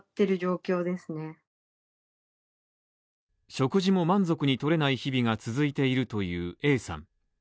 食事も満足に取れない日々が続いているというＡさん。